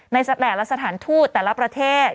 ในแต่ละสถานทูตแต่ละประเทศ